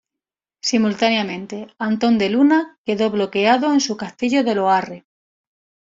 Simultáneamente, Antón de Luna quedó bloqueado en su castillo de Loarre.